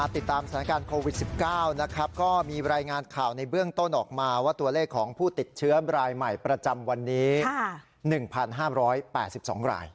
ติดตามสถานการณ์โควิด๑๙นะครับก็มีรายงานข่าวในเบื้องต้นออกมาว่าตัวเลขของผู้ติดเชื้อรายใหม่ประจำวันนี้๑๕๘๒ราย